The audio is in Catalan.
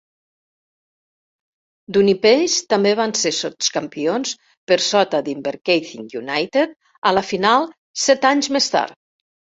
Dunipace també van ser sots-campions per sota d"Inverkeithing United a la final set anys més tard.